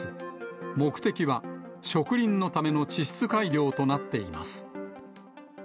目的は植林のための地質改良となっています。